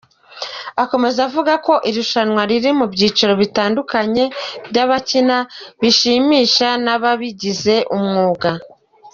Akomeza avuga ko irushanwa riri mu byiciro bitandukanye by’abakina bishimisha n’ababigize umwuga.